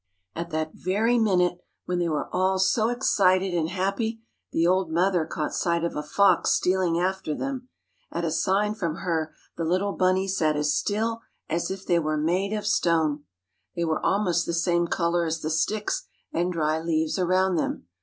At that very minute, when they were all so excited and happy, the old mother caught sight of a fox stealing after them. At a sign from her the little bunnies sat as still as if they were made of stone. They were almost the same color as the sticks and dry leaves around them.